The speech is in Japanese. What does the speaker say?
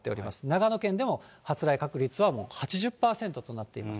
長野県でも発雷確率はもう８０％となっています。